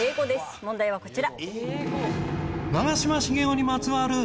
問題はこちら。